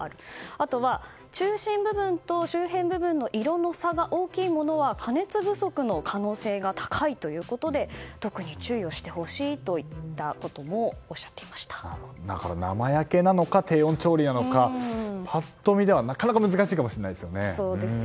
あとは、中心部分と周辺部分の色の差が大きいものは加熱不足の可能性が高いということで特に注意してほしいといったことも生焼けなのか、低温調理なのかパッと見ではなかなか難しいかもしれないですね。